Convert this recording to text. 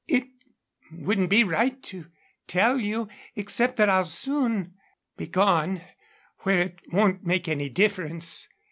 It wouldn't be right to tell you except that I'll soon be gone where it won't make any difference."